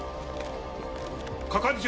係長。